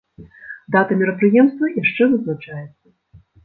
Дата мерапрыемства яшчэ вызначаецца.